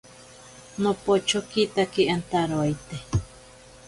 Nopochokitake antaroite.